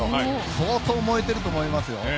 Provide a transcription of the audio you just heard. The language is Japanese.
相当燃えていると思いますよ。